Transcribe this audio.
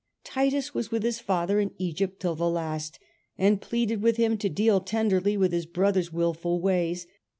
Titus was with his father in Egypt till the last, and pleaded with him to deal tenderly with his brother's wilful ways?